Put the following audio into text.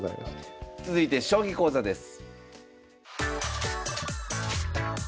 続いて将棋講座です。